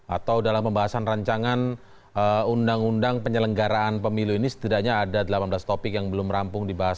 atau dalam pembahasan rancangan undang undang penyelenggaraan pemilu ini setidaknya ada delapan belas topik yang belum rampung dibahas